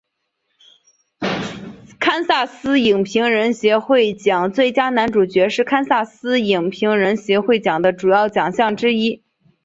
堪萨斯影评人协会奖最佳男主角是堪萨斯影评人协会奖的主要奖项之一。